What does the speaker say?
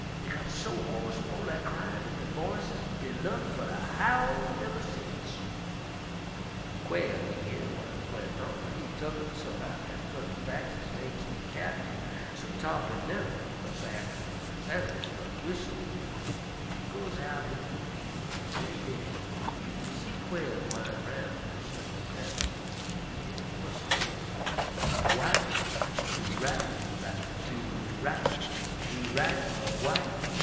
Dey got so hoarse wid all dat cryin' dat der voices bin nuttin' but a howl uver sence. "Quail he year w'at gwine on, an' he tucken hisse'f outen dat kyountry fas' ez his laigs cu'd kyar' him, so Tarr'pin nuver got back de fedders ner de whustle, an' ef you goes out inter de fiel' mos' any day you kin see Quail gwine roun' in de stolen fedders an' year him whustle: _'Bob White, do right! do right! Do right! do right, Bob White!'